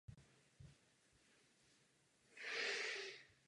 Dále působil v pastoraci a stal se středoškolským profesorem.